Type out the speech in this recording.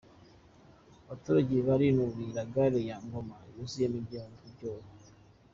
Abaturage barinubira gare ya Ngoma yuzuyemo ibyobo